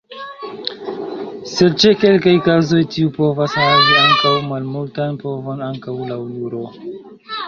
Sed ĉe kelkaj kazoj tiu povas havi ankaŭ malmultan povon ankaŭ laŭ juro.